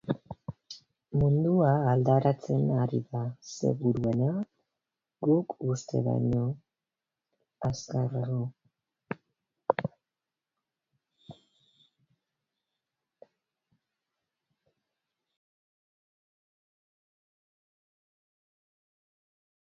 Mundua aldatzen ari da, seguruenera, guk uste baino azkarrago.